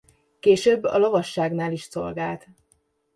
Később a lovasságnál is szolgált.